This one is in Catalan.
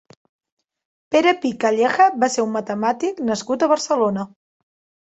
Pere Pi Calleja va ser un matemàtic nascut a Barcelona.